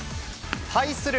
対する